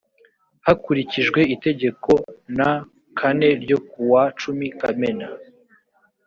hakurikijwe itegeko n kane ryo kuwa cumi kamena